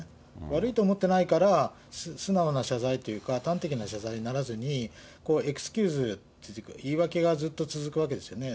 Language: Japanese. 悪いと思ってないから、素直な謝罪というか、端的な謝罪にならずに、エクスキューズというか言い訳がずっと続くわけですよね。